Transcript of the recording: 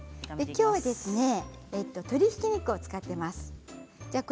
きょうは鶏ひき肉を使っています。